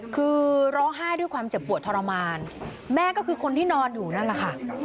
คือร้องไห้ด้วยความเจ็บปวดทรมานแม่ก็คือคนที่นอนอยู่นั่นแหละค่ะ